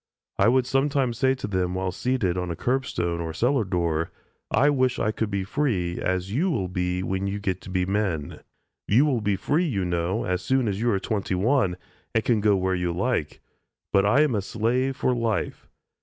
I would sometimes say to them, while seated on a curbstone or a cellar door, "I wish I could be free, as you will be when you get to be men. You will be free, you know, as soon as you are twenty one, and can go where you like, but I am a slave for life.